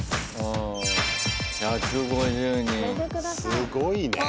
すごいね。